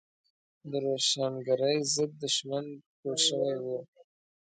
د روښانګرۍ ضد دښمن جوړ شوی دی.